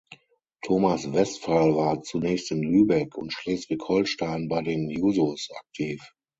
Thomas Westphal war zunächst in Lübeck und Schleswig-Holstein bei den Jusos aktiv.